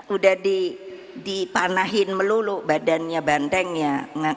udah dipanahin melulu badannya bandengnya